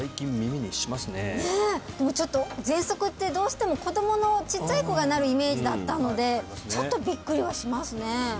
でもちょっと喘息ってどうしても子供のちっちゃい子がなるイメージだったのでちょっとビックリはしますね